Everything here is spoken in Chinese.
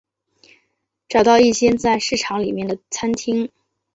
找到一间在市场里面的餐厅